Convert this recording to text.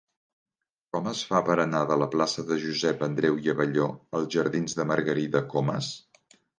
Com es fa per anar de la plaça de Josep Andreu i Abelló als jardins de Margarida Comas?